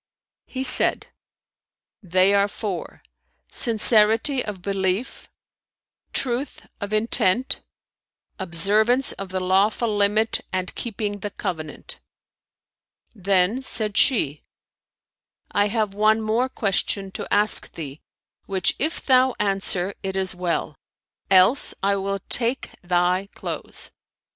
He said "They are four: sincerity of belief, truth of intent, observance of the lawful limit and keeping the covenant." Then said she, "I have one more question to ask thee, which if thou answer, it is well; else, I will take thy clothes."